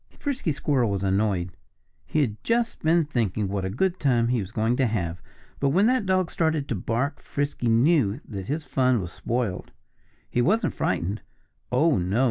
Frisky Squirrel was annoyed. He had just been thinking what a good time he was going to have. But when that dog started to bark Frisky knew that his fun was spoiled. He wasn't frightened. Oh, no!